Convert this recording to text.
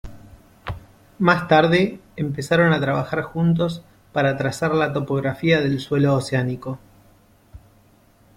Más tarde, empezaron a trabajar juntos para trazar la topografía del suelo oceánico.